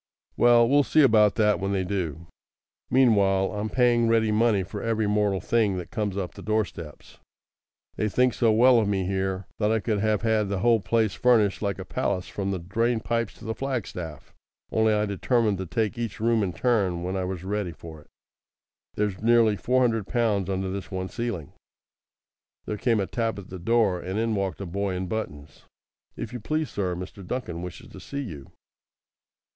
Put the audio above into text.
"Well, we'll see about that when they do. Meanwhile I am paying ready money for every mortal thing that comes up the door steps. They think so well of me here that I could have had the whole place furnished like a palace from the drain pipes to the flagstaff, only I determined to take each room in turn when I was ready for it. There's nearly four hundred pounds under this one ceiling." There came a tap at the door, and in walked a boy in buttons. "If you please, sir, Mr. Duncan wishes to see you."